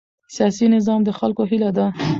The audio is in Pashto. سیاسي نظام د خلکو هیله ده